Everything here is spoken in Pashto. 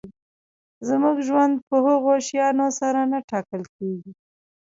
زموږ ژوند په هغو شیانو سره نه ټاکل کېږي.